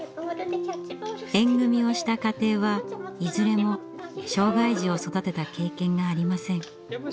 縁組をした家庭はいずれも障害児を育てた経験がありません。